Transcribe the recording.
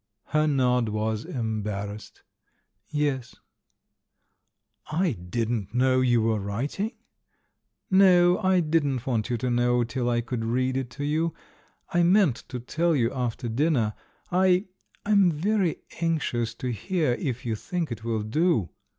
Her nod was embarrassed. "Yes." "I didn't know you were writing." "No, I didn't want you to know till I could read it to you ; I meant to tell you after dinner. I — I'm very anxious to hear if you think it will do."